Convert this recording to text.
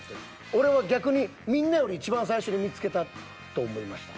俺は逆にみんなよりいちばん最初に見つけたと思いました。